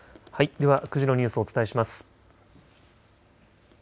では９時のニュースをお伝えします。